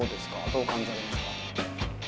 どう感じられますか？